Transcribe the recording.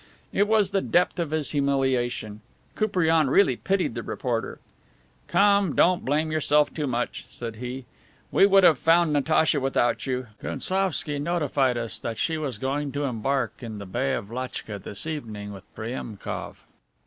It was the depth of his humiliation; Koupriane really pitied the reporter. "Come, don't blame yourself too much," said he. "We would have found Natacha without you; Gounsovski notified us that she was going to embark in the Bay of Lachtka this evening with Priemkof."